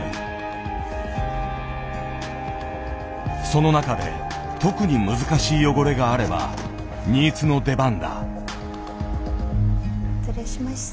その中で特に難しい汚れがあれば新津の出番だ。